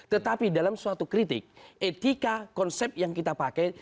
tetapi dalam suatu kritik etika konsep yang kita pakai